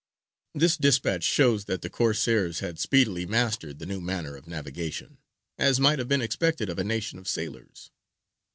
This dispatch shows that the Corsairs had speedily mastered the new manner of navigation, as might have been expected of a nation of sailors.